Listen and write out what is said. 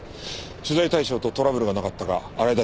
取材対象とトラブルがなかったか洗い出しを頼む。